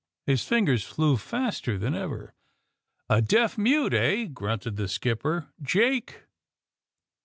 His fingers flew faster than ever. *^A deaf mute, eh I" grunted the skipper. *^Jake!''